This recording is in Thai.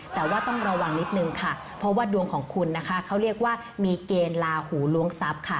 แต่ว่าต้องระวังนิดนึงค่ะเพราะว่าดวงของคุณนะคะเขาเรียกว่ามีเกณฑ์ลาหูล้วงทรัพย์ค่ะ